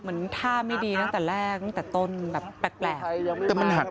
เหมือนท่าไม่ดีหลังจากตั้งแต่หน้าแบบแปลก